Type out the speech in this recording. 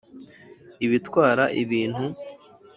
ibitwara ibintu